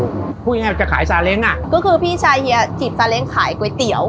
พูดง่ายจะขายซาเล้งอ่ะก็คือพี่ชายเฮียจีบซาเล้งขายก๋วยเตี๋ยว